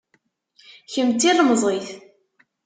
Kemm d tilemẓit.